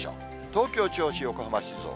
東京、銚子、横浜、静岡。